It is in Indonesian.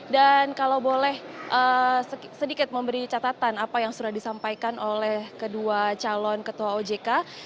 dan kalau boleh sedikit memberi catatan apa yang sudah disampaikan oleh kedua calon ketua ojk